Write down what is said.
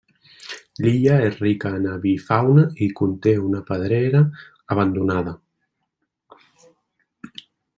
L'illa és rica en avifauna, i conté una pedrera abandonada.